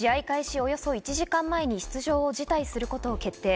およそ１時間前に出場を辞退することを決定。